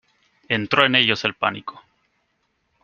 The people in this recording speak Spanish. entró en ellos el pánico.